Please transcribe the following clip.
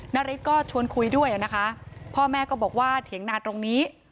นาริสก็ชวนคุยด้วยนะคะพ่อแม่ก็บอกว่าเถียงนาตรงนี้